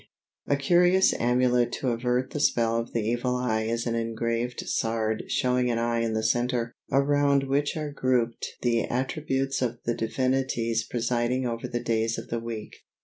A curious amulet to avert the spell of the Evil Eye is an engraved sard showing an eye in the centre, around which are grouped the attributes of the divinities presiding over the days of the week.